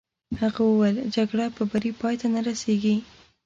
هغه وویل: جګړه په بري پای ته نه رسېږي.